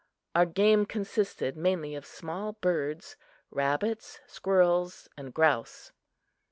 Our game consisted mainly of small birds, rabbits, squirrels and grouse.